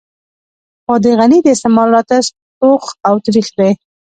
خو د غني د استعمال راته ستوغ او ترېخ دی.